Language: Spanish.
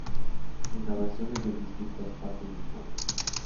Con grabaciones de distintas partes de España.